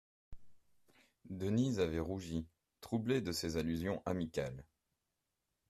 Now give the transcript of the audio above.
Denise avait rougi, troublée de ces allusions amicales.